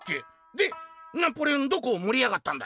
「でナポレオンどこを盛りやがったんだい？」。